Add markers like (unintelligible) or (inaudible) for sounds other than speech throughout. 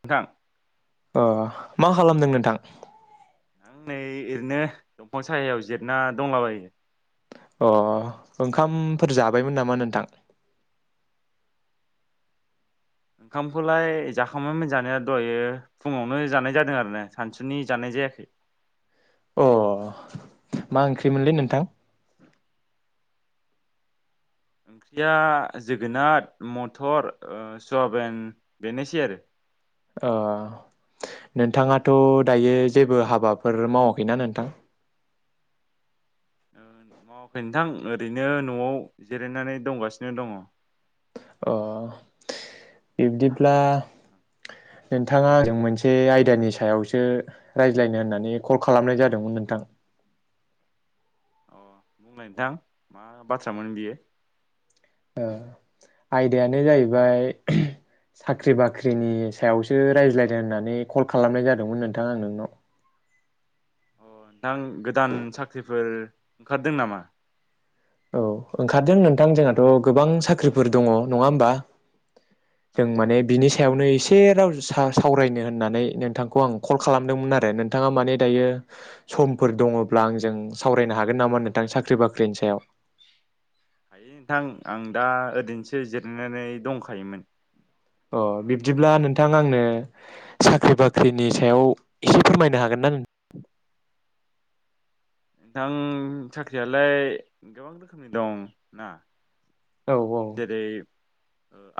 नोंथां अ मा खालामदों नोंथां? आं नै ओरैनो दंफां साहायाव जिरायना दंलाबायो अ ओंखामफोर जाबायमोन नामा नोंथां? ओंखामखौलाय जाखांबायमोन जानाया दहायो फुङावनो जानाय जादों आरो ना सानसुनि जानाय जायाखै अ मा ओंख्रिमोनलै नोंथां? ओंख्रिया जोगोनार मथर ओ सुवाबेन बेनोसै आरो अ नोंथाङाथ' दायो जेबो हाबाफोर मावाखैना नोंथां? मावाखै नोंथां ओरैनो न'आव जिरायनानै दंगासिनो दङ अ बिब्दिब्ला नोंथाङा आंजों मोनसे आयदानि सायावसो रायज्लायनो होननानै कल खालामनाय जादोंमोन नोंथां अ बुंलाय नोंथां मा बाथ्रा मोन बियो ओ आयदायानो जाहैबाय साख्रि बाख्रिनि सायावसो रायज्लायनो होननानै कल खालामनाय जादोंमोन नोंथां आं नोंनाव अ नोंथां गोदान साख्रिफोर ओंखारदों नामा? औ ओंखारदों नोंथां जोंहाथ' गोबां साख्रिफोर दङ नङा होमबा औ जों माने नोंथां बिनि सायावनो एसे एसे राव सा-सावरायनो होननानै नोंथांखौ आं कल खालामदोंमोन आरो नोंथाङा माने दायो समफोर दङब्ला आंजों सावरायनो हागोन नामा नोंथां साख्रि बाख्रिनि सायाव हायो नोंथां आं दा ओरैनोसो जिरायनानै दंखायोमोन अ बिब्दिब्ला नोंथां आंनो साख्रि बाख्रिनि सायाव एसे फोरमायनो हागोन ना नों नोंथां साख्रियालाय गोबां रोखोमनि दं ना औ औ जेरै ओ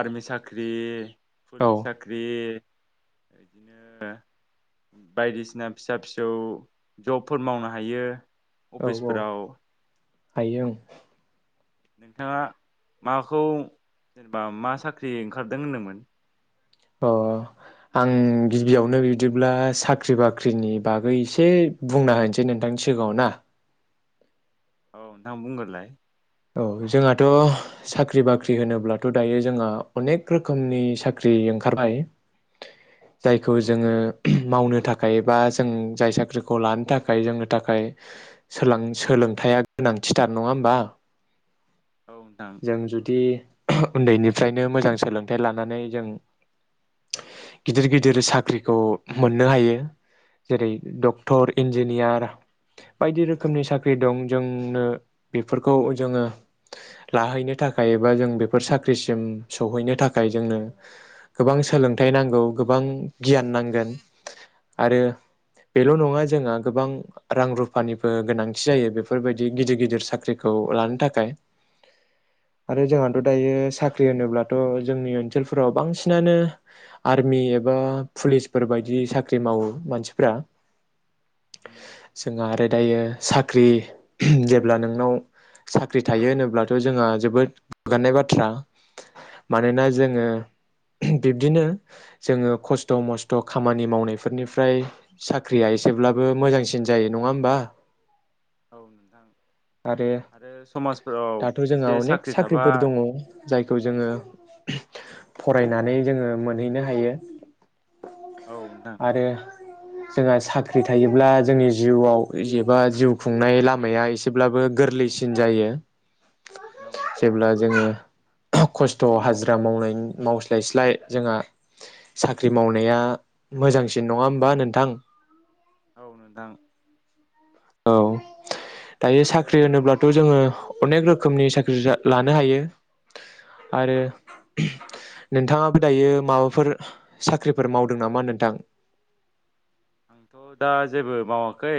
आरमि साख्रि औ फुुलिस साख्रि इदिनो बायदिसिना फिसा फिसौ जबफोर मावनो हायो औ औ अफिसफोराव हायो औ नोंथाङा माखौ जेनेबा मा साख्रि ओंखारदों होनदोंमोन? अ आं गिबियावनो बिदिब्ला साख्रि बाख्रिनि बागै एसे बुंना होनोसै नोंथांनि सिगाङाव ना? औ नोंथां बुंगोरलाय औ जोंहाथ' साख्रि बाख्रि होनोब्लाथ' दायो जोङो अनेक रोखोमनि साख्रि ओंखारबाय जायखौ औ जोङो नोंथां मावनो थाखाय बा जों जाय साख्रिखौ लानो थाखाय जोंनो थाखाय सोलां सोलोंथाइआ गोनांथिथार नङा होमबा औ नोंथां जों जुदि उन्दैनिफ्रायनो मोजां सोलोंथाइ लानानै जों गिदिर गिदिर साख्रिखौ मोननो हायो जेरै डक्टर इन्जिनियार बायदि रोखोमनि साख्रि दं जोंनो बेफोरखौ जोङो लाहैनो थाखाय एबा जों बेफोर साख्रिसिम सौहैनो थाखाय जोंनो गोबां सोलोंथाइ नांगौ गोबां गियान नांगोन आरो बेल' नङा जोंहा गोबां रां रुफानिबो गोनांथि जायो बेफोरबायदि गिदिर गिदिर साख्रिखौ लान थाखाय औ आरो नोंथां जोंहाथ' दायो साख ख्रि होनोब्लाथ' जोंनि ओनसोलफोराव बांसिनानो आर्मि एबा पुलिसफोर बायदि साख्रि मावो मानसिफ्रा उम जोंहा आरोद दायो साख्रि जेब्ला नोंनाव साख्रि थायो होनोब्लाथ' जोंहा जोबोद गोगानाय बाथ्रा मानोना जोङो बिब्दिनो जोङो खस्थ' मस्थ' खामानि मावनायफोरनिफ्राय साख्रिया एसेब्लाबो मोजांसिन जायो नङा होमबा औ नोंथां आरो समाजफोराव दाथ' जोंहा एसे अनेक साख्रि थाबा साख्रिफोर दङ औ जायखौ जोङो फरायनानै जोङो मोनहैनो हायो। नोंथां आरो जोंहा साख्रि थायोब्ला जोंनि जिउआव एबा जिउ खुंनाय लामाया एसेब्लाबो गोरलैसि सिन जायो औ नोंथां जेब्ला जोङो थ' खस्थ' हाजिरा मावनाय मावस्लायस्लाय जोंहा साख्रि मावनाया मोजांसिन नङा होमबा नोंथां। औ नोनथां औ दायो आरो साख्रि होनोब्लाथ' जोङो अनेक रोखोमनि साख्रि रा लानो हायो। आरो औ नोनथाङाबो दायो माबाफोर साख्रिफोर मावदों नामा नोंथां? आंथ' दा जेबो मावाखै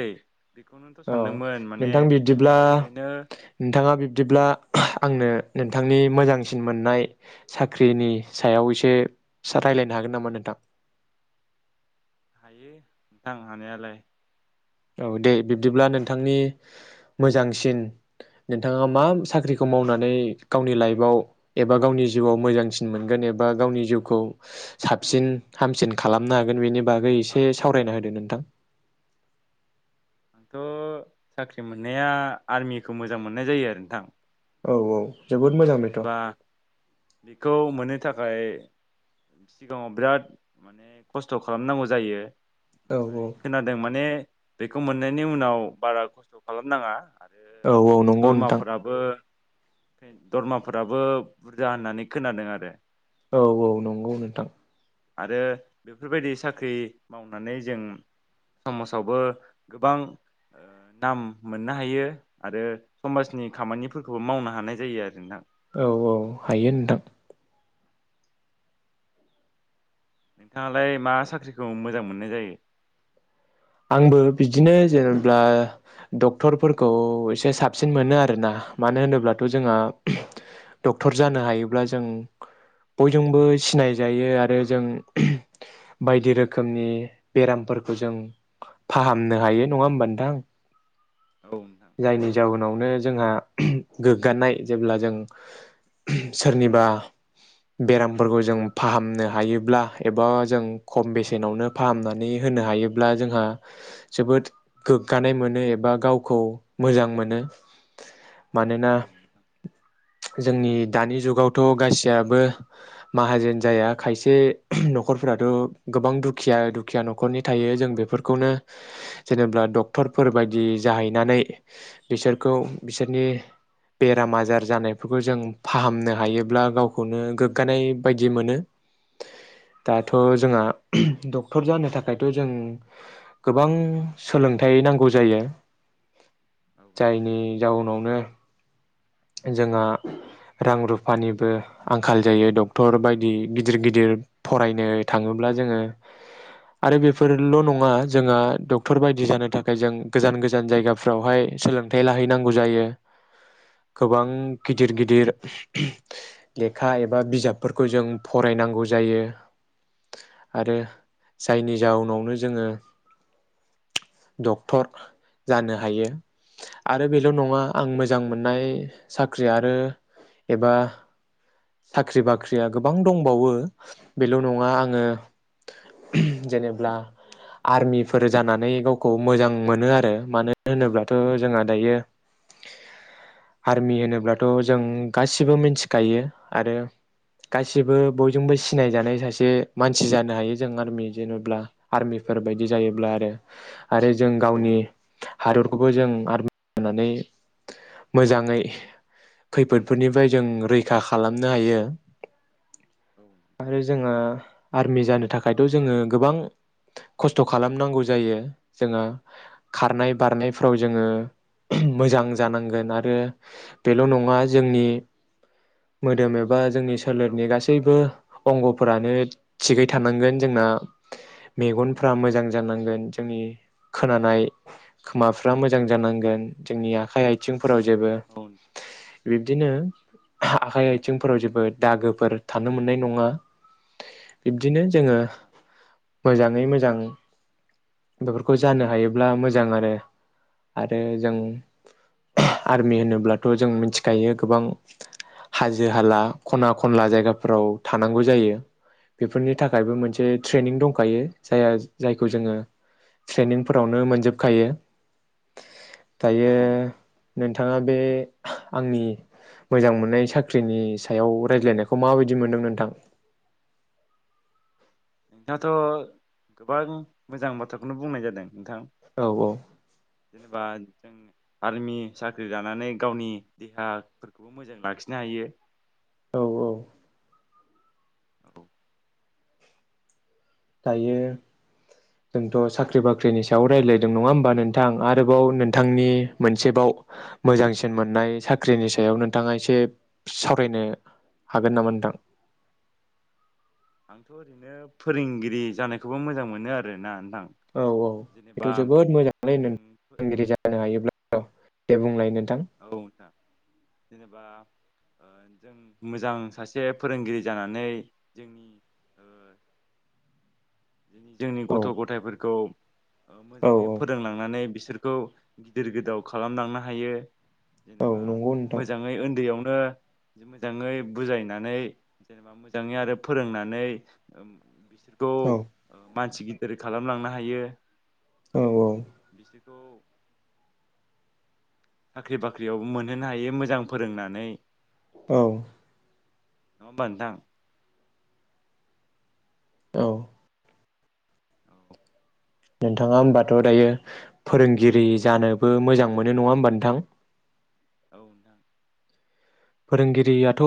बेखौनोनथ' औ सानदोंमोन माने नोंथां न'आव ओरैनो दिब्ला आंनो नोनथांनि मोजांसिन मोननाय साख्रिनि सायाव एसे साराय्लायनो हागोन नामा नोंथां? हायो थां हानायालाय औ दे बिब्दिब्ला नोंथांनि मोजांसिन नोनथाङा मा साख्रिखौ मावनानै गावनि लाइफआव एबा गावनि जिउआव मोजांसिन मोनगोन एबा गावनि जिउखौ साबसिन हामसिन खालामनो हागोन बेनि बागै एसे सावरायना होदो नोंथां। आंथ' साख्रि मोननाया आर्मिखौ मोजां मोननाय जायो आरो नोंथां। औ औ जोबोद मोजां बेथ' औ जेनेबा बिखौ मोनो थाखाय सिगाङाव बिराद माने खस्थ' खालामनांगौ जायो। ओमफाय औ खोनादों माने बेखौ मोननायनि उनाव बारा खस्थ' खालामनाङा आरो औ औ नंगौ नोंथां दरमाफोराबो (inaudible) दरमाफोराबो बुरजा होननानै खोनादों आरो। औ औ नंगौ नोंथां आरो बेफोरबायदि साख्रि मावनानै जों समासावबो गोबां ओ नाम मोननो हायो आरो समाजनि खामानिफोरखौबो मावनो हानाय जायो आरो नोंथां। औ औ हायो नोंथां नोंथाङालाय मा साख्रिखौ मोजां मोननाय जायो। आंबो बिदिनो जेनेब्ला डक्टरफोरखौ एसे साबसिन मोनो आरोना मानो होनोब्लाथ' जोंहा डक्टर जानो हायोब्ला जों बयजोंबो सिनायजायो आरो जों बायदि रोखोमनि बेरामफोरखौ जों फाहामनो हायो नङा होमबा नोंथां। औ नोंथां जायनि जाउनावनो जोंहा गोग्गानाय जेब्ला जों सोरनिबा बेरामफोरखौ जों फाहामनो हायोब्ला एबा जों खम बेसेनावनो फाहामनानै होनो हायोब्ला जोंहा जोबोद गोग्गानाय मोनो एबा गावखौ मोजां मोनो मानोना औ नोंथां जोंनि दानि जुगावथ' गासियाबो माहाजोन जाया खायसे न'खरफोराथ' गोबां दुखिया दुखिया न'खरनि थायो जों बेफोरखौनो जेनेब्ला डक्टरफोर बायदि जाहैनानै बिसोरखौ बिसोरनि बेराम आजार जानायफोरखौ जों फाहामनो हायोब्ला गावखौनो गोग्गानाय बायदि मोनो। औ दाथ' नोंथां जोंआ द' टर जानो थाखायथ' जों गोबां सोलोंथाइ नांगौ जायो। औ जायनि नोंथां जाउनावनो जोंआ रां रुफानिबो आंखाल जायो डक्टर बायदि गिदिर गिदिर फरायनो थाङोब्ला जोङो आरो बेफोरल' नङा जोंआ डक्टर बायदि जानो थाखाय जों गोजान गोजान जायगा फ्रावहाय सोलोंथाइ लाहैनांगौ जायो गोबां गिदिर औ नोंथां गिदिर लेखा एबा बिजाबफोरखौ जों फरायनांगौ जायो आरो जायनि जाउनावनो जोङो डक्टर जानो हायो आरो बेल' नङा आं मोजां मोननाय साख्रि आरो एबा साख्रि बाख्रिया गोबां दंबावो बेल' नङा आङो जेनेब्ला आर्मिफोर जानानै गावखौ मोजां मोनो आरो मानो होनोब्लाथ' जोंहा दायो आर्मि होनोब्लाथ' जों गासिबो मिनथिखायो आरो गासिबो बयजोंबो सिनायजानाय सासे मानसि जानो हायो जों आर्मि जेनोब्ला आर्मिफोर बायदि जायोब्ला आरो आरो जों औ गावनि औ हादरखौबो जों आरमि (inaudible) नानै मोजां ङै खैफोदफोरनिफ्राय जों रैखा खालामनो हायो नोंथां आरो जोङो आर्मि जानो थाखायथ' जोङो गोबां खस्थ' खालामनांगौ जायो जोङा खारनाय बारनायफ्राव जोङो मोजां जानांगोन आरो बेल' नङा जोंनि मोदोम ए बा जोंनि सोलेरनि आनजादफ्रावबो गासैबो अंग फोरानो थिगै थानांगोन जोंना मेगनफ्रा मोजां जानांगोन जोंनि खोनानाय खोमाफ्रा मोजां जानांगोन जोंनि आखाइ आथिंफोराव जेबो (inaudible) बिब्दिनो आखाइ आथिंफोराव जेबो दागोफोर थानो मोननाय नङा बिब्दिनो औ जोङो नोंथां मोजाङै मोज (unintelligible) बेफोरखौ जानो हायोब्ला मोजां आरो आरो जों आर्मि होनोब्ला थ जों मिनथिखायो गोबां हाजो हाला खना खनला जायगाफोराव थानांगौ जायो बेफोरनि थाखायबो मोन से ट्रेनिं दंखायो जाया जायखौ जोङो ट्रेनिंफोरावनो मोनजोबखायो दायो औ नोंथां नोनथाङा बे आंनि मोजां मोननाय साख्रिनि सायाव रायज्लायनायखौ माबायदि मोनदों नोंथां नोंथाङाथ' गोबां मोजां बाथ्राखौनो बुंनाय जादों नोंथां औ औ जेनेबा जों आर्मि साख्रि लानानै गावनि देहाफोरखौबो मोजां लाखिनो हायो औ औ औ दायो जोंथ' साख्रि बाख्रिनि सायाव रायलायदों नङा होमबा नोनथां आरोबाव नोनथांनि मोनसेबाव मोजांसिन मोननाय साख्रिनि सायाव नोंथाङा एसे सावरायनो हागोन नामा नोंथां आंथ' ओरैनो फोरोंगिरि जानायखौबो मोजां मोनो आरोना नोंथां औ औ जेनेबा बेथ' जोबोद मोजाङलै जों औ फोरोंगिरि जानो हायोब्ला अ दे बुंलायनो औ ओनथां जेनेबा ओ जों मोजां सासे फोरोंगिरि जानानै जोंनि ओ (inaudible) जोंनि औ गथ' गथाइफोरखौ ओ औ मोजाङै औ फोरोंलांनानै बिस सोरखौ गिदिर गोदाव खालामलांनो हायो औ जेनेबा नंगौ नोंथां मोजाङै उन्दैयाव बो जि मोजाङै बुनानै जेनेबा मोजाङै आरो फोरोंनानै ओम बिस सोरखौ ओ औ मानसि गिदिर खालामलांनो हायो औ औ थ' साख्रि बाख्रियावबो मोनहोनो हायो मोजां फोरोंनानै औ नङा होमबा नोंथां औ औ नोंथाङा होमबाथ' दायो फोरोंगिरि जानोबो मोजां मोनो नङा होमबा नोंथां औ नोंथां फोरोंगिरियाथ'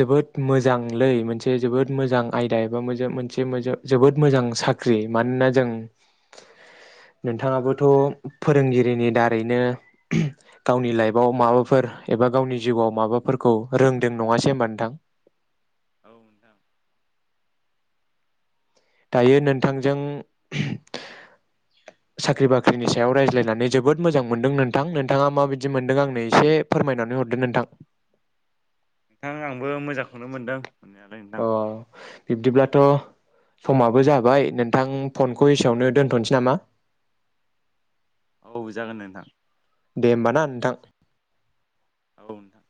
जोबोद मोजांलै मोनसे जोबोद मोजां आयदा एबा मोजो मोनसे मोजो जोबोद मोजां साख्रि मानोना जों नोंथाङाबोथ' फोरोंगिरिनि दारैनो गावनि लाइफआव माबा फोर एबा गावनि जिउआव माबाफोरखौ रोंदों नङासै होमबा नोंथां औ नोंथां दायो नोनथांजों साख्रि बाख्रिनि सायाव रायज्लायनानै जोबोद मोजां मोनदों नोंथां नोंथाङा माबायदि मोनदों आंनो एसे फोरमायनानै हरदो नोंथां नोंथां आंबो मोजांखौनो मोनदों मोननायालाय नोंथां अ बिब्दिब्लाथ' समाबो जाबाय नोंथां फनखौ एसेयावनो दोनथ'नसै नामा औ जागोन नोंथां दे होमबा ना नोंथां औ नोंथां